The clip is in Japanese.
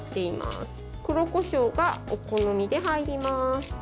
黒こしょうがお好みで入ります。